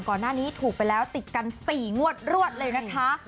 ก่อนหน้านี้ถูกไปแล้วติดกัน๔งวดรวดเลยนะคะ